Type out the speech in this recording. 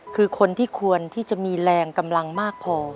คือคนที่ควรที่จะมีแรงกำลังมากพอ